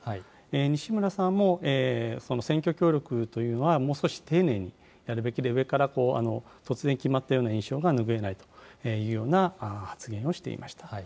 西村さんも、選挙協力というのは、もう少し丁寧にやるべきで、上から突然決まったような印象が拭えないというような発言をしていました。